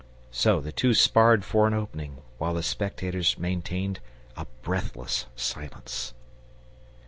So the two sparred for an opening, while the spectators maintained a breathless silence.